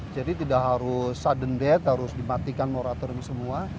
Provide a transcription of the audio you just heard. jadi tidak harus sudden death harus dimatikan moratorium semua